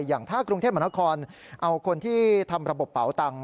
อย่างถ้ากรุงเทพมหานครเอาคนที่ทำระบบเป๋าตังค